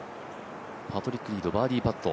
パトリック・リードバーディーパット。